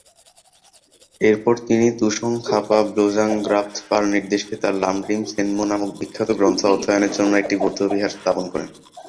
এরপর তিনি ত্সোং-খা-পা-ব্লো-ব্জাং-গ্রাগ্স-পার নির্দেশে তার লাম-রিম-ছেন-মো নামক বিখ্যাত গ্রন্থ অধ্যয়নের জন্য একটি বৌদ্ধবিহার স্থাপন করেন।